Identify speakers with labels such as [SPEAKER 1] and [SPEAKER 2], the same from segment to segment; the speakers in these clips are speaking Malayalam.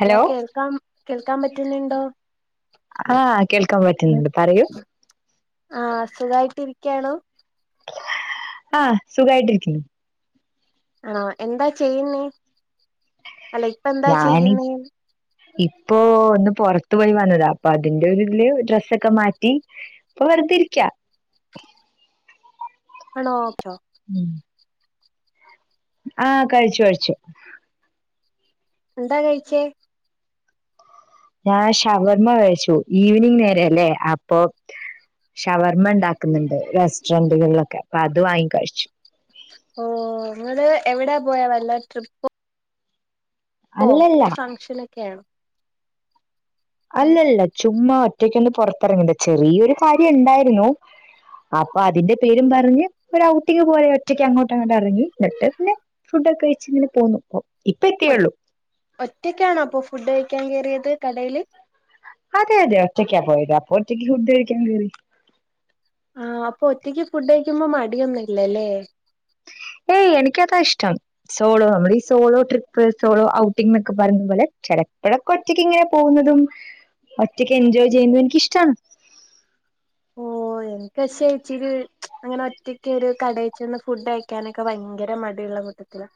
[SPEAKER 1] ഹലോ കേൾക്കാം കേൾക്കാൻ പറ്റുന്നുണ്ടോ?
[SPEAKER 2] ആഹ് കേൾക്കാൻ പറ്റുന്നുണ്ട് പറയൂ.
[SPEAKER 1] ആഹ് സുഖായിട്ട് രിക്ക്യാണോ?
[SPEAKER 2] ആഹ് സുഖായിട്ടിരിക്നു.
[SPEAKER 1] ആഹ് എന്താ ചെയ്യുന്നേ? അല്ല ഇപ്പ എന്താ ചെയ്യുന്നേ?
[SPEAKER 2] ഇപ്പൊ ഒന്ന് പൊറത്ത് പോയി വന്നതാ അപ്പൊ അതിന്റെ ഒതില് ഡ്രസ്സൊക്കെ മാറ്റി. പോ വെറുതെഇരിക്യ.
[SPEAKER 1] ആണോ ഓക്കെ [unintelligible]
[SPEAKER 2] ഉം ആഹ് കഴിച്ചു കഴിച്ചു
[SPEAKER 1] എന്താ കഴിച്ചേ
[SPEAKER 2] ഞാൻ ഷവർമ്മ കഴിച്ചു ഈവനിങ് നേരയവല്ലേ അപ്പൊ ഷവർമ്മ ഇണ്ടാക്കുന്നുണ്ട് റെസ്റ്ററന്റകളിലൊക്കെ അപ്പൊ അത് വാങ്ങി കഴിച്ചു
[SPEAKER 1] ഓഹ് നിങ്ങള് എവിടാ പോയാ വല്ല ട്രിപ്പ് ഓഹ്
[SPEAKER 2] അല്ലല്ല
[SPEAKER 1] ഫംഗഷനൊക്കെയയാണ്
[SPEAKER 2] അല്ലല്ല ചുമ്മാ ഒറ്റയ്ക്കൊന്ന് പുറത്തിറങ്ങണ്ട ചെറിയൊരു കാര്യം ഇണ്ടായിരുന്നു അപ്പൊ അതിന്റെ പേരും പറഞ്ഞ് ഒരു ഔട്ടിക്ക് പോലെ ഒറ്റയ്ക്ക് അങ്ങോട്ട് അങ്ങോട്ട് ഇറങ്ങി എന്നിട്ട് പിന്നെ ഫു- ക്കെഴിച്ച ഇങ്ങനെ പോന്നു ഇപ്പം
[SPEAKER 1] ഒ ഒറ്റക്കാണോ അപ്പൊ ഫുഡ് കഴിക്കാൻ കേയറിയത് കടയില്
[SPEAKER 2] അതെ അതെ ഒറ്റക്കാ പോയത് അപ്പൊ ഒറ്റക്ക് ഫുഡ് കഴിക്കാൻ കേറി
[SPEAKER 1] ആ അപ്പൊ ഒറ്റയ്ക്ക് ഫുഡ് കഴിക്കുമ്പോ മടിയൊന്നുംല്ലല്ലേ
[SPEAKER 2] ഏയ് എനിക്ക് അതാ ഇഷ്ടം സോളോ നമ്മൾ ഈ സോളോ ട്രിപ്പ് സോളോ ഔട്ടിംഗ എന്നൊക്കെ പറഞ്ഞ പോലെ ചില ഇപ്പോഴൊക്കെ ഒറ്റക്ക് ഇങ്ങനെ പോകുന്നതും ഒറ്റക്ക് എൻജോയ് ചെയ്യുന്നതും എനിക്കിഷ്ടമാണ്
[SPEAKER 1] [inaudible] ഓ കഷി ഇച്ചിരി അങ്ങനെ ഒറ്റക്കൊ ഒരു കടയി ചെന്ന് ഫുഡ് കഴിക്കാനൊക്കെ ഭയങ്കര മടി ഉള്ളകുട്ടാ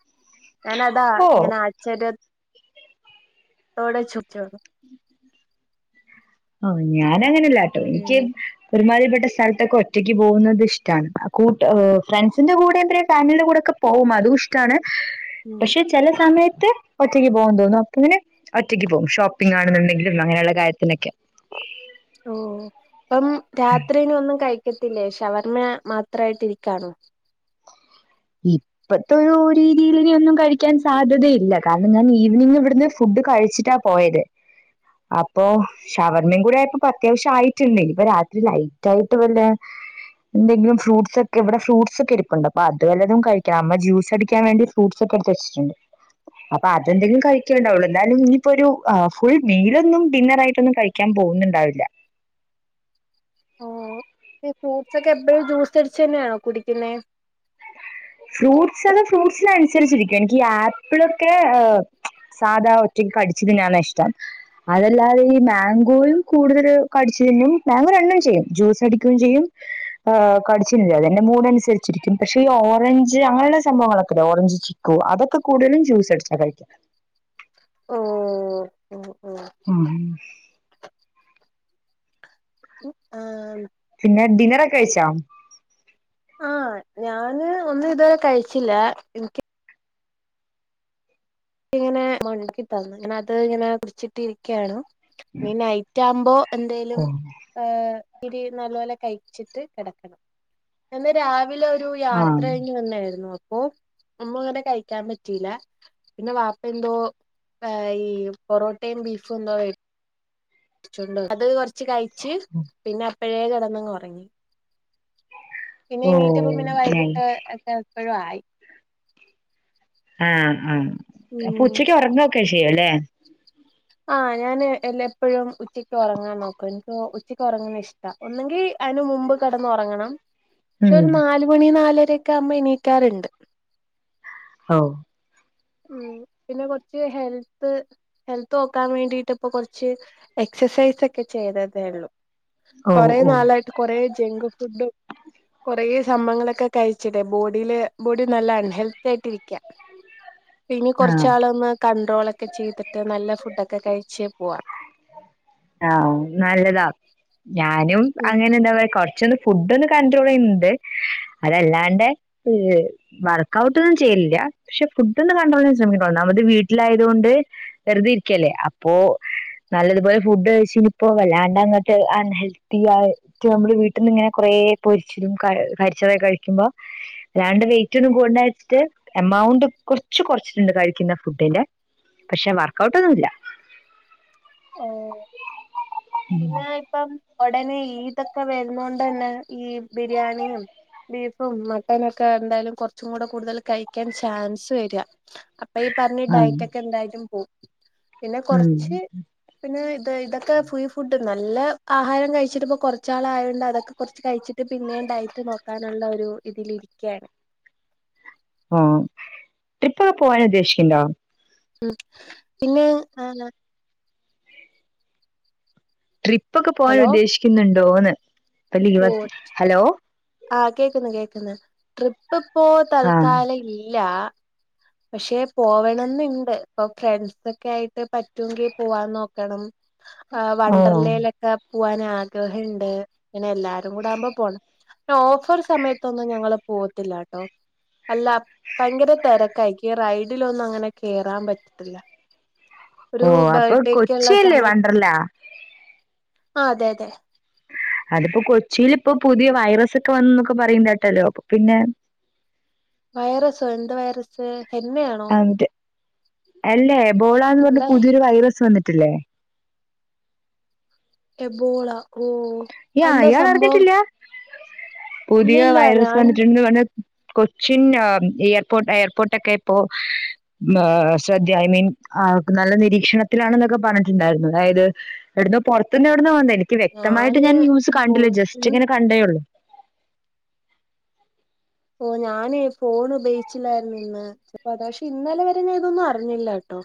[SPEAKER 1] ഞാനതാ
[SPEAKER 2] ഓ
[SPEAKER 1] ഇങ്ങനെ ആശ്ചര്യത്തോടെ ചോദിച്ചത്
[SPEAKER 2] [inaudible] ഞാന അങ്ങനെല്ലാട്ടോ എനിക്ക്
[SPEAKER 1] ഉം
[SPEAKER 2] പെരുമാതിപ്പെട്ട സ്ഥലത്തൊക്ക ഒറ്റക്ക് പോകുന്നത് ഇഷ്ടആണ് ഫ്രണ്ട്സിന്റെ കൂടെ എന്ത ഫാമിലിയുടെ കൂടെ ഒക്കെ പോകും അത ഇഷ്ടമാണ്
[SPEAKER 1] ഉം
[SPEAKER 2] പക്ഷെ ചില സമയത്ത് മ ഒറ്റയ്ക്ക് പോകാെന്ന് തോന്നുന്നു അപ്പങ്ങനെ ഒറ്റയ്ക്ക് പോകും ഷോപ്പിംഗ ആണെന്നുണ്ടെങ്കിലും അങ്ങനെയുള്ള കാര്യത്തിനൊക്കെ
[SPEAKER 1] ഓ അപ്പം രാത്രിന ഒന്നും കഴിക്കത്തി ല്ലേ ഷവർമ്മ മാത്രായിട്ട് ഇരിക്കണോ
[SPEAKER 2] ഇപ്പത്തെ ഒരു രീതിൽ ഒന്നും കഴിക്കാൻ സാധ്യതയില്ല കാരണം ഞാൻ ഈവനിങ് ഇവിടുന്ന് ഫുഡ് ഇത് കഴിച്ചിട്ടാ പോയത് അപ്പൊ ഷവർമ്മ് കൂടെ ആയപ്പോ അത്യാവശ്യം ആയിട്ടുണ്ട് ഇനി ഇപ്പൊ രാത്രി ലൈറ്റ് ആയിട്ട് വല്ല എന്തെങ്കിലും ഫ്രൂട്ട്സ് ഒക്കെ ഇവിടെ ഫ്രൂട്ട്സ്ക്കെ ഇരിപ്പുണ്ട് അപ്പൊ അ വല്ലതും കഴിക്കണം അമ്മ ജ്യൂസ് അടിക്കാൻ വേണ്ടി ഫ്രൂട്ട്സ് ഒക്കെ എടുത്ത് വച്ചിട്ടുണ്ട് അപ്പ അതെങ്കിലും കഴിക്കേണ്ടാവുള്ളൂ എ എന്നാലും ഇനി ഇപ്പൊ ഒരു ഫുൾ മീലൊന്നും ഡിന്നറ ആയിട്ടൊന്നും കഴിക്കാൻ പോകുന്നുണ്ടാവില്ല
[SPEAKER 1] ഓ ഫ്രൂട്ട്സ് ഒക്കെ എപ്പോഴും ജ്യൂസ് അടിച്ചു തന്നെയാണോ കുടിക്കുന്നെ
[SPEAKER 2] ഫ്രൂട്ട്സ് അതോ ഫ്രൂട്ട്സിനനുസരിച്ചിരിക്കും എനിക്ക്ഈ ആപ്പിളൊക്കെ ഹ് സാധാ ഒറ്റയ്ക്ക് കടിച്ചതിനാണ് ഇഷ്ടം അതല്ലാതെ ഈ മാംഗോയും കൂടുതൽ കടിച്ചുതിന്നും മാങ്ങോ രണ്ണം ചെയ്യും ജ്യൂസ് അടിക്കുകയും ചെയ്യും കടിച്ചില്ല അ എന്റെറെ മൂഡനുസരിച്ചിരിക്കും പക്ഷെ ഈ ഓവ ഓറഞ്ച് അങ്ങനെയുള്ള സംഭവങ്ങളൊക്കെല്ല ഓറഞ്ച് ചിക്കു അതൊക്കെ കൂടുതലും ജ്യൂസ് അടിച്ചാ കഴിക്ക
[SPEAKER 1] ഓ ഓ ഓ
[SPEAKER 2] ആഹ
[SPEAKER 1] ആഹ
[SPEAKER 2] പിന്നെ ഡിനറ ഒക്കെ കഴിച്ചാം
[SPEAKER 1] ആഹ് ഞാന് ഒന്നും ഇതുവരെ കഴിച്ചില്ല എനിക്ക് ഇങ്ങനെ മഴക്കി തന്നു ഇങ്ങന അത് ഇങ്ങനെ കുടിച്ചിട്ടി ഇരിക്കയാണ് ഇീ നൈറ്റ് ആകുമ്പോ എന്തായലും
[SPEAKER 2] ഓ
[SPEAKER 1] ഏ നല കഴി് കി രില ഒരു
[SPEAKER 2] ആ
[SPEAKER 1] യാത്രഴ തന്നായിരുന്നു അപ്പൊ അമ്മ അങ്ങനെ കഴിക്കാൻ പറ്റിയില്ല പിന്നെ വാപ്പ എന്തോ ഈ പൊറോട്ടയും ബീഫും എന്തോ അത് കൊറച്ച് കഴച്ച് പിന്നെ പഴയ കിടന്ന ഉറങ്ങി പിന്നെ
[SPEAKER 2] ഓ
[SPEAKER 1] ഇനീറ്റപ്പ പിന്നെ വൈകിട്ട്
[SPEAKER 2] നൈസ്
[SPEAKER 1] ഒക്കെ ഒരു ആായി
[SPEAKER 2] ആഹ് ആഹ അപ്പൊ
[SPEAKER 1] ഉം
[SPEAKER 2] ഉച്ചക്ക് ഉറന്ന് നോക്ക ചെയ്യുവല്ലേ
[SPEAKER 1] ആഹ് ഞാാന് എ എപ്പോഴും ഉച്ചക്ക് ഉറങ്ങാൻ നോക്കും എനിക്ക് ച്ചക്ക് ഉറങ്ങണ ഇഷ്ട ഒന്നെങ്കിൽ അന് മുമ്പ് കിടന്ന ഉറങ്ങണം പക്ഷെ ഒരു
[SPEAKER 2] ഉം
[SPEAKER 1] നാല മണി ന ക്ക അമ്മ ഇനീക്കാറുണ്ട്
[SPEAKER 2] ഓ
[SPEAKER 1] ഉ പിന്നെ കുറച്ച് ഹെൽത്ത് ഹെൽത്ത് നോക്കാൻ വേണ്ടിട്ടപ്പൊ കൊറച്ച് എ എക്സസൈസ് ഒക്കെ ചെയ്തതേ ഉള്ളൂ
[SPEAKER 2] ഓ
[SPEAKER 1] കുറേ
[SPEAKER 2] ഓ
[SPEAKER 1] നാളായിട്ട് കുറേ ജക് ഫുഡും കൊറെ സംഭങ്ങളൊക്കെ കഴിച്ചിടെ ബോഡിയില് ഇനി
[SPEAKER 2] ആ
[SPEAKER 1] കൊർച്ചാളൊന്ന് കണ്ട്രോളൊക്കെ ചെയ്തിട്ട് നല്ല ഫുഡൊക്കെ കഴിച്ച് പോവാ
[SPEAKER 2] ആ നല്ലതാ ഞാനും
[SPEAKER 1] ഉം
[SPEAKER 2] അങ്ങനെ എന്താ പറ കൊർച്ചൊന്ന് ഫുഡ് ഒന്ന് കൺണ്ട്രോൾ ചെയ്യുന്നുണ്ട് അതല്ലാണ്ട് വർക്ക്ഔട്ട് ഒന്നും ചെയ്യലില്ല. പക്ഷെ ഫുഡ് ഒന്നും കണ്ട്രോൾ ശ്രമിക്കോ ഒന്നാമ്മത് വീട്ടിലായതുകൊണ്ട് വെറുതെ ഇരിക്കല്ലേ അപ്പൊ നല്ലതുപോലെ ഫുഡ് കയ്ച്ചിനിപ്പോ വല്ലാണ്ട് അങ്ങട്ട് അൺഹെൽത്തി ആയിട്ട് നമ്മുടെ വീട്ടിൽ നിന്ന് ഇങ്ങനെ കൊ റേ പൊരിച്ചി കരിച്ചോതൊക്കെ കഴിക്ക്മ്പോ വല്ലാണ്ട് വെയ്റ്റൊന്നും കൂടണ്ടാ ര് ച്ചിട്ട് എമൗണ്ട് കൊർച് കൊർച്ചിട്ടുണ്ട് കഴിക്കുന്ന ഫുഡിന്റെ പക്ഷെ വർക്ക്ഔട്ട് ഒന്നുല്ല.
[SPEAKER 1] ഓ പിന്നെ ഇപ്പം ഒടനെ ഈദോക്കെ വരുന്നോൻ ണ്ടന്നെ ഈ ബിരിയാണിയും ബീഫും മട്ടനൊക്കെ എന്തായാലും കൊർച്ചും കൂടെ കൂടുതൽ കഴിക്കാൻ ചാൻസ് വര അപ്പൊ ഈ പറഞ്ഞ
[SPEAKER 2] ആഹ്
[SPEAKER 1] ഡയറ്റ ഒക്കെ എന്തായാലും പോവും. പിന്നെ
[SPEAKER 2] ഉം
[SPEAKER 1] കൊർച്ച് പിന്നെ ഇത് ഇതൊക്കെ പുയി ഫുഡ് നല്ല ആഹാരം കഴിച്ചിട്ട് ഇപ്പോ കൊർച് നാളായോണ്ട് അതൊക്കെ കൊർച്ച് കഴിച്ചിട്ട് പിന്നെയ ഡയറ്റ് നോക്കാനുള്ള ഒരു ഇതിലിരിക്കയാണ്
[SPEAKER 2] ആഹ ട്രിപ്പൊക്കെ പോവാന ഉദ്ദേശിക്കണ്ടോ
[SPEAKER 1] ഉം പിന്നെ ആ
[SPEAKER 2] ട്രിപ്പ് ഒക്കെ പോവാൻ
[SPEAKER 1] ഹലോ
[SPEAKER 2] ഉദ്ദേശിക്കുന്നുണ്ടോന്ന് ഇപ്പൊ
[SPEAKER 1] ഓ
[SPEAKER 2] ലീവ് ഹലോ
[SPEAKER 1] ആഹ് കേക്കുന്നു കേക്കന്ന് ട്രിപ്പ് ഇപ്പോ
[SPEAKER 2] ആഹ്
[SPEAKER 1] തൽക്കാല ഇല്ല. പക്ഷെ പോവണംന്ന്ണ്ട്. ഇപ്പൊ ഫ്രണ്ട്സ ഒക്കെ ആയിട്ട് പറ്റൊങ്കി പോവാന്ന് നോക്കണം ആ
[SPEAKER 2] ഓ
[SPEAKER 1] വണ്ടർലയിലൊക്കെ പോവൻ ആഗ്രഹണ്ട്. ഇങ്ങനെ എല്ലാരും കൂട ആകുമ്പോ പോണം. ഓഫർ സമയത്തൊന്നും ഞങ്ങള് പോകത്തില്ല കേട്ടോ അല്ല ഭയങ്കര തെര കൈക്കും ഈ റൈഡിലന്നും അങ്ങനെ കേറാൻ പറ്റത്തില്ല.
[SPEAKER 2] ഓ
[SPEAKER 1] ഒരു
[SPEAKER 2] അപ്പൊ
[SPEAKER 1] ബർഡേക്കള്ള
[SPEAKER 2] കൊച്ചിയല്ലേ
[SPEAKER 1] സമയത്ത്
[SPEAKER 2] വണ്ടർലാ
[SPEAKER 1] ആ അതെ അതെ
[SPEAKER 2] അതിപ്പോ കൊച്ചിൽ ഇപ്പൊ പുതിയ വൈറസ് ഒക്കെ വന്നൂന്നൊക്കെ പറയണ്ടാട്ടല്ലോ അപ്പൊ പിന്നെ
[SPEAKER 1] വൈറസോ എന്ത് വൈറസ് ഹെന്നയാണോ
[SPEAKER 2] എന്നിട്ട് അല്ലേ എബോളാന്ന് പറഞ്ഞ
[SPEAKER 1] എന്താ
[SPEAKER 2] പുതിയൊരു വൈറസ് വന്നിട്ടില്ലേ
[SPEAKER 1] എബോള ഓ
[SPEAKER 2] യാ,
[SPEAKER 1] എന്താ സംഭവം
[SPEAKER 2] ഇയാളറിഞ്ഞിട്ടില്ലാ! പുതിയ
[SPEAKER 1] ഇല്ലില്ല
[SPEAKER 2] വൈറസ്
[SPEAKER 1] ഞാൻ
[SPEAKER 2] [unintelligible] കൊച്ചിന്നാ ഇയർപോ എയർ പോട്ടൊക്കെ പ്പൊ [inaudible] ഐ മീൻ ആ അവക്ക് നല്ല നിരീക്ഷണത്തിലാണെന്നൊക്കെ പറഞ്ഞ്ട്ട്ണ്ടായ്‌രുന്നു. അതായത് ഏട്‌ന്നൊ പൊറ ത് ന്നെവ്ട്ന്നാ വന്നേ! എനിക്ക് വ്യക്തമായിട്ട്
[SPEAKER 1] ഞാന്
[SPEAKER 2] ഞാൻ ന്യൂസ്
[SPEAKER 1] ഓ
[SPEAKER 2] കണ്ടില്ല ജസ്റ്റ്
[SPEAKER 1] ഉം
[SPEAKER 2] ങ്ങനെ കണ്ടേ ഉള്ളു.
[SPEAKER 1] ഓ ഞാന് ഫോണ് പയ്ച്ചില്ലാരുന്നുന്ന് ചെൽപതാ ക്ഷെ ഇന്നലെ വരെ ഞാൻ തൊന്നു അറിഞ്ഞില്ലട്ടോ.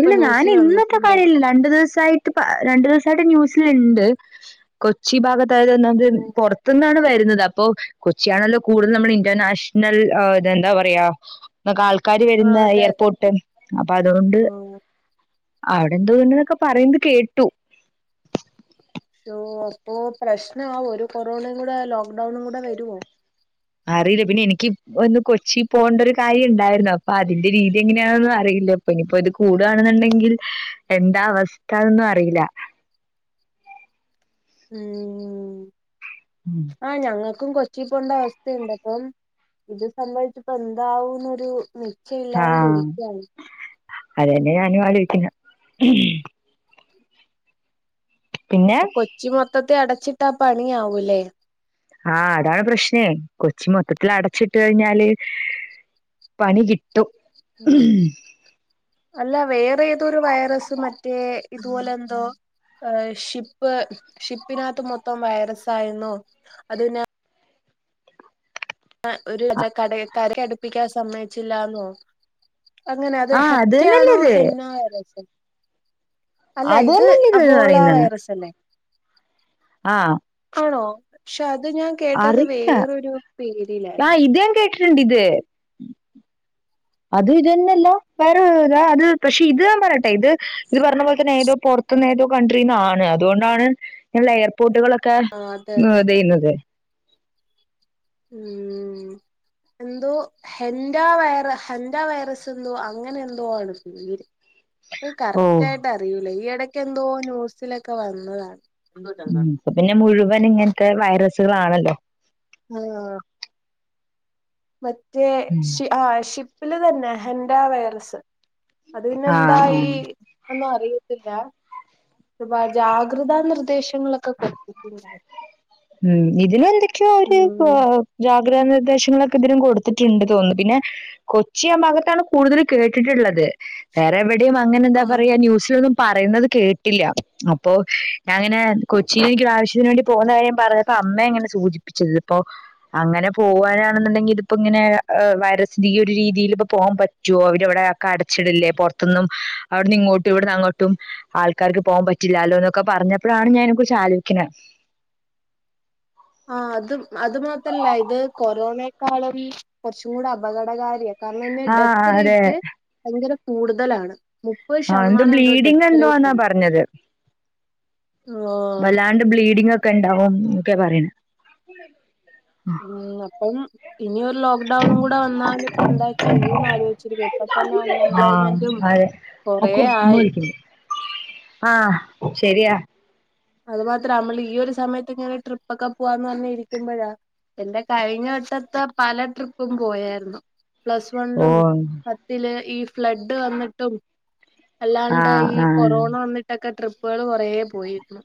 [SPEAKER 2] ഇല്ല ഞാനിന്നത്തെ
[SPEAKER 1] വന്നിട്ടുണ്ടാവ
[SPEAKER 2] കാര്യല്ലല്ല രണ്ട് ദിവസായിട്ട് പ്പ രണ്ട് ദിവസായിട്ട് ന്യൂസ് [unintelligible] കൊച്ചി ഭാഗത്തായത് ഒന്നാംത് പൊറത്ത്ന്നാണ് വരുന്നത് ഇപ്പൊ കൊച്ചിയാണല്ലോ കൂടുതൽ നമ്മടെ ഇന്റർനാഷണൽ അ ഇതെന്താ പറയാ ന്ന ആൾ കാരി
[SPEAKER 1] ആഹ്
[SPEAKER 2] വരുന്ന
[SPEAKER 1] അതെ അതെ
[SPEAKER 2] എയർപോട്ട് അപ്പ അതു കൊണ്ട്
[SPEAKER 1] ഉം
[SPEAKER 2] അവടെ ന്തോ [unintelligible] പറീന്ന്‌ത് കേട്ടു.
[SPEAKER 1] ഓ അപ്പൊ പ്രശ്നാവോ ഒരു കൊറോണേം കൂടെയാല് ലോക് ഡൗണും കൂടെ വരോ?
[SPEAKER 2] അറിയില്ല പിന്നെ എനിക്ക് ഒന്ന് കൊച്ചി പോകേണ്ട ഒരു കാര്യം ഉണ്ടായിരുന്നു അപ്പൊ അതിന്റെ രീതി എങ്ങനെയാ എന്നൊന്നും അറയി ല്ലപ്പ ഇനി പ്പത് കൂടാണ്ന്ന്ണ്ടെങ്കിൽ എന്താ വസ്ഥ ന്നറിയില്ല.
[SPEAKER 1] ഊം ആ ഞങ്ങ ക്കും കൊച്ചീപോണ്ടവസ്ഥയുണ്ട് അപ്പം ഇത് [inaudible] പ്പന്താവൂന്നൊരു ഉം
[SPEAKER 2] ആ, അതെന്നാ ഞാനു ആലോയ്ക്കിന്ന [unintelligible]
[SPEAKER 1] അപ്പൊ കൊച്ചി മൊത്തത്തി അടച്ചിട്ടാ പണിയാവൂലേ
[SPEAKER 2] ആ അതാണ് പ്രശ്നേ കൊച്ചി മൊത്തത്തിൽ അടച്ചിട്ട് കഴിഞ്ഞാല് പണി [unintelligible]
[SPEAKER 1] [inaudible] അല്ല വേറെ എന്തോ ഒരു വൈറസ് മറ്റേ ഇതുപോലെ എന്തോ ഏ ഷിപ്പ് ഷിപ്പിനാത്ത് മൊത്തം വൈറസ് ആയിര്ന്നോ? അത് പിന്ന അ ഒര്. [unintelligible] കരയടുപ്പിക്കാൻ സമ്മയ്ച്ചില്ലാന്നോ? അങ്ങനത്
[SPEAKER 2] ആഹ് അത് തന്നെ
[SPEAKER 1] ഹെറ്റ്യാണോ [unintelligible] അല്ല
[SPEAKER 2] അത്
[SPEAKER 1] ഇത്
[SPEAKER 2] തന്നെയല്ലേ ഇതെന്ന്
[SPEAKER 1] അബോള വൈറസ് അല്ലേ
[SPEAKER 2] ആ
[SPEAKER 1] അണോ? ക്ഷെ അത് ഞാ കേട്ടത് വേറൊരു
[SPEAKER 2] ആ
[SPEAKER 1] പേരിലായിരുന്നു
[SPEAKER 2] ഇതാൻ കേട്ടിട്ട്ണ്ടിത്. അത് ഇതെന്നല്ല [unintelligible] പക്ഷെ ഇത് ഞാമ്പറയട്ടെ ഇത് ഇത് പറഞ്ഞ പോൽ തന്നെ ഏതോ പൊറ ത്തുന്നേതോ കൺട്രീന്നാണ് അതു കൊണ്ടാണ് ങ്ങനള്ള എയർപോർട്ടുകള് ക്കേ
[SPEAKER 1] ആ അതെ അതെ
[SPEAKER 2] [unintelligible]
[SPEAKER 1] ഉം എന്തോ ഹെന്റാ വൈറ ഹെന്റാ വൈറസ് എന്തോ അങ്ങനെ എന്തോ ആണ് പേര്
[SPEAKER 2] ഓഹ്
[SPEAKER 1] കറക്റ്റായിട്ട് അറിയൂല ഈ എടക്കെന്തോ ന്യൂസിലൊക്കെ വന്നതാണ്
[SPEAKER 2] ഉം ഇപ്പ പിന്നെ മുഴുവൻ ഇങ്ങനത്തെ വൈറസുകളണല്ലോ
[SPEAKER 1] ഹലോ മറ്റേ ഷി ആഹ്‌ ഷിപ്പില് തന്നെ ഹെന്റാ വൈറസ് അത് പിന്നെ
[SPEAKER 2] ആഹ് ആഹ്
[SPEAKER 1] എന്തായി ഒന്നും അറിയി ത്തില്ലാ ഒരുപാട് ജാഗ്രതാ നിർദ്ദേശങ്ങളൊക്കെ കൊടുത്തിട്ടുണ്ടാ
[SPEAKER 2] ഉം ഇതിനെന്തൊക്കെയോ അവര് ഏഹ് ജാ ഗ്രഹ നിർദ്ദേശങ്ങളൊക്കെ ഇതിനും കൊടുത്തിട്ട്ണ്ട് തോന്നുന്നു പിന്നെ കൊച്ചി ആ ഭാഗത്താണ് കൂടുതല് കേട്ടിട്ടുള്ളത് വേറെ എവിടെയും അങ്ങനെന്താ
[SPEAKER 1] ആഹ്
[SPEAKER 2] പറയാ ന്യൂസിലൊന്നും പറയുന്നത് കേട്ടില്ല അപ്പോ ഞാങ്ങനെ കൊച്ചിയില് എനിക്കൊരാവശ്യത്തിന് വേണ്ടി പോകണ്ട കാര്യം പറയപ്പോ അമ്മ അങ്ങനെ സൂചിപ്പിച്ചത് ഇപ്പൊ അങ്ങനെ പോവാനാണെന്നുണ്ടെങ്കി ഇതിപ്പൊങ്ങനെ ഏഹ് വ ഒരു രീതിൽ ഇ പോകൻ പറ്റുമോ അവരിവിടെക്കെ അടച്ചിടില്ലേ പുറത്തൊന്നും അവടിന്ന് ഇങ്ങോട്ട് ഇവിടന്ന അങ്ങോട്ടും ആൾക്കാർക്ക് പോവാൻ പറ്റില്ലാല്ലോ എന്നൊക്കെ പറഞ്ഞപ്പോഴാണ് ഞാൻ കുറിച്ച് ആലോചിക്കുന്നേ
[SPEAKER 1] അത് അത് മാത്രല്ല ഇത് കൊറോണേക്കാളും കെറച്ചുക്കൂടി അപകടകാരിയാണ് കർണമേ
[SPEAKER 2] ആഹ്
[SPEAKER 1] ഡെത്ത്
[SPEAKER 2] അതെ
[SPEAKER 1] റേറ്റ് ഭയങ്കര കൂടുതലാണ് മുപ്പത്
[SPEAKER 2] ആ എന്തോ
[SPEAKER 1] ശതമാനം
[SPEAKER 2] ബ്ലീഡിങ്
[SPEAKER 1] ഡെത്ത് റേറ്റ്
[SPEAKER 2] എന്തോന്നാ
[SPEAKER 1] ഉണ്ട്
[SPEAKER 2] പറഞ്ഞത്
[SPEAKER 1] ഓഹ്
[SPEAKER 2] വല്ലാണ്ട് ബ്ലീഡിങ് ഒക്കെ ഇണ്ടാവും ഒക്കെ പറയണ്.
[SPEAKER 1] ഉം അപ്പം ഇനി ഒരു ലോക്ക്ഡൗണും കൂടെ വന്നാൽ ഇപ്പ എന്താ ചെയ്യൂന്ന് ആലോചിച്ചിരിക്ക ഇപ്പ തന്നെ അൺ
[SPEAKER 2] ആ
[SPEAKER 1] എംപ്ലോയ്മെന്റും
[SPEAKER 2] അതെ അക്കു ഉമ്മ വിളിക്കുന്നു ആ ശരിയാ
[SPEAKER 1] അത് മാത്ര നമ്മള് ഈ ഒരു സമയത്ത് എങ്ങനെ ട്രിപ്പ് ഒക്കെ പോവാന്ന് പറഞ് ഇരിക്കുമ്പോഴാ എന്റെ കഴിഞ്ഞ വട്ടത്തെ പല ട്രിപ്പും പോയായിരുന്നു. പ്ലസ്
[SPEAKER 2] ഓ
[SPEAKER 1] വണിലും പത്തില് ഈ ഫ്ലഡ് വന്നിട്ടും
[SPEAKER 2] ആ
[SPEAKER 1] അല്ലാണ്ട് ഈ
[SPEAKER 2] ആ
[SPEAKER 1] കൊറോണ വന്നിട്ടൊക്കെ ട്രിപ്പുകൾ കൊറേ പോയിരുന്നു.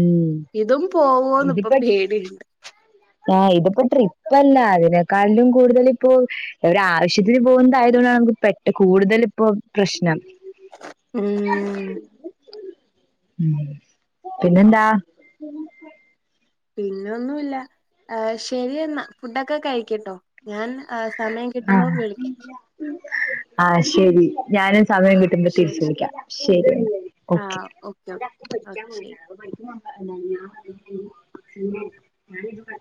[SPEAKER 2] ഉം
[SPEAKER 1] ഇതും പോവോന്ന് ഇപ്പോ
[SPEAKER 2] ഇതിപ്പോ
[SPEAKER 1] പേടിണ്ട്
[SPEAKER 2] ആ ഇതിപ്പോ ട്രിപ്പല്ല അതിനേക്കാളിലും കൂടുതൽ ഇപ്പോ ഒരു ആവശ്യത്തിന് പോകുന്നതായിരുന്നു വുമ്പോ പെട്ടു കൂടുതൽ ഇപ്പൊ പ്രശ്നം
[SPEAKER 1] ഉം
[SPEAKER 2] പിന്നെന്താ
[SPEAKER 1] പിന്നെന്നുമില്ല ശരിയെന്നാ ഫുഡൊക്കെ കഴിക്കെട്ടോ ഞാൻ ആ സമയം
[SPEAKER 2] ആ
[SPEAKER 1] കിട്ടുമ്പോ വിളിക്കാം.
[SPEAKER 2] ആ ശരി ഞാനും സമയം
[SPEAKER 1] ആഹ്
[SPEAKER 2] കിട്ടുമ്പ
[SPEAKER 1] ശരി
[SPEAKER 2] തിരിച്ച് വിളിക്കാം ശരി ഒക്കെ
[SPEAKER 1] ആഹ് ഓക്കെ
[SPEAKER 2] അന്റെ
[SPEAKER 1] ഓക്കെ
[SPEAKER 2] അക്കു
[SPEAKER 1] ഓക്കെ
[SPEAKER 2] പഠിക്കാൻ
[SPEAKER 1] ശരി
[SPEAKER 2] പോയെക്ക്ണ് [unintelligible]